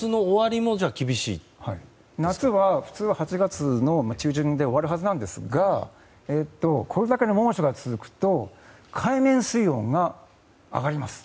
夏は普通は８月の中旬で終わるはずなんですがこれだけの猛暑が続くと海面水温が上がります。